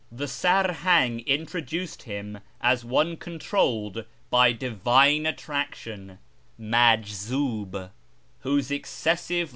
The Sarhang introduced him as one controlled by Divine Attraction ("majzilb"), whose excessive